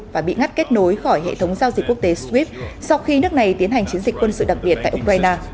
và bị ngắt kết nối khỏi hệ thống giao dịch quốc tế skyp sau khi nước này tiến hành chiến dịch quân sự đặc biệt tại ukraine